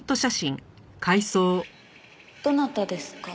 どなたですか？